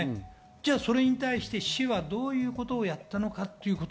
それに対して市はどういうことをやったのか。